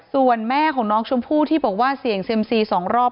ส่วนแม่ของน้องชมพู่ที่บอกว่าเสี่ยงเซ็มซี๒รอบ